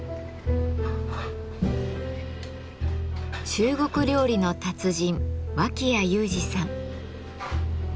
中国料理の達人脇屋友詞さん。